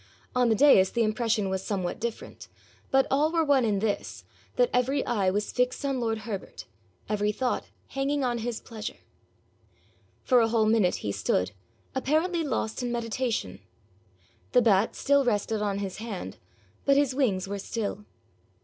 On the dais the impression was somewhat different; but all were one in this, that every eye was fixed on lord Herbert, every thought hanging on his pleasure. For a whole minute he stood, apparently lost in meditation. The bat still rested on his hand, but his wings were still.